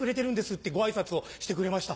ってご挨拶をしてくれました。